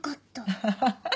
アハハハ。